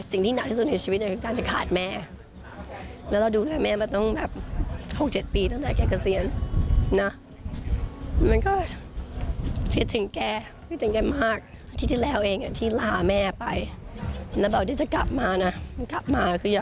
สิ่งที่หนักที่สุดในชีวิตคือการจะขาดแม่